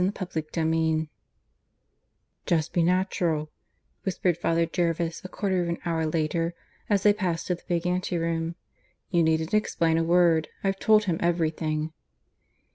CHAPTER III (I) "Just be natural," whispered Father Jervis a quarter of an hour later, as they passed through the big ante room. "You needn't explain a word. I've told him everything."